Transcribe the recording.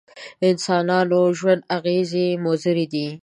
انسانانو ژوند اغېزې مضرې دي.